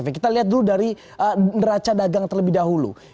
kita lihat dulu dari neraca dagang terlebih dahulu